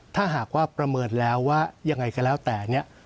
ถ้าหากว่าประเมินแล้วว่ายังไงก็แล้วแต่เนี่ย